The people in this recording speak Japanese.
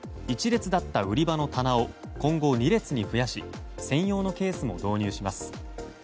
一列だった売り場の棚を今後２列に増やし専用のケースも導入します。